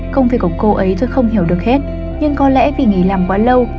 công việc của cô ấy tôi không hiểu được hết nhưng có lẽ vì nghỉ làm quá lâu